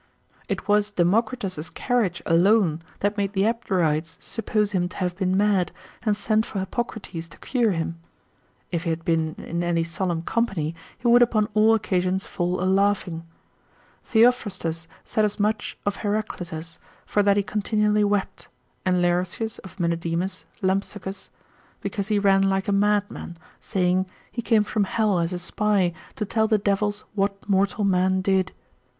2, cap. 4. It was Democritus's carriage alone that made the Abderites suppose him to have been mad, and send for Hippocrates to cure him: if he had been in any solemn company, he would upon all occasions fall a laughing. Theophrastus saith as much of Heraclitus, for that he continually wept, and Laertius of Menedemus Lampsacus, because he ran like a madman, saying, he came from hell as a spy, to tell the devils what mortal men did.